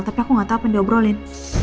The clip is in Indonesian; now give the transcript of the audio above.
tapi aku gak tahu apa yang dia obrolin